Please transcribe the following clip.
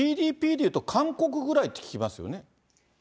ＧＤＰでいうと韓国ぐらいって聞きますよね。